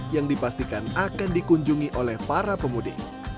yang dipastikan akan dikunjungi oleh para pemudik